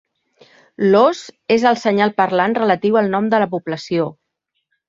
L'os és el senyal parlant relatiu al nom de la població.